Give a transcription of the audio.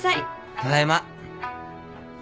ただいま。